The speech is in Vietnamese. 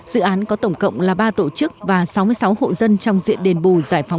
dự án có tổng cộng là ba tổ chức và sáu mươi sáu hộ dân trong diện đền bù